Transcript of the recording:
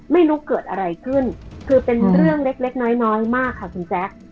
ไม่รู้เกิดอะไรขึ้นคือเป็นเรื่องเล็กเล็กน้อยน้อยมากค่ะคุณแจ๊ค